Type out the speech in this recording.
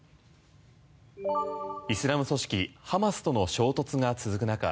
イスラム組織ハマスとの衝突が続く中